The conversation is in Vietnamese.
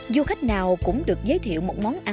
du khách nào cũng được giới thiệu một món ăn rất độc đặc